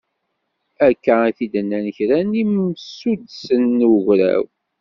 Akka i t-id-nnan kra n yimsuddsen n ugraw.